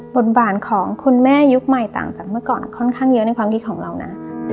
บทบาทของคุณแม่ยุคใหม่ต่างจากเมื่อก่อนค่อนข้างเยอะในความคิดของเรานะ